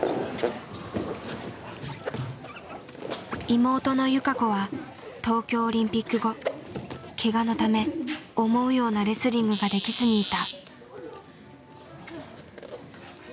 妹の友香子は東京オリンピック後けがのため思うようなレスリングができずにいた。